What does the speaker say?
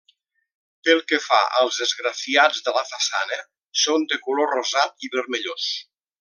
Pel que fa als esgrafiats de la façana, són de color rosat i vermellós.